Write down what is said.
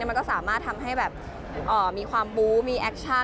มันก็สามารถทำให้แบบมีความบู้มีแอคชั่น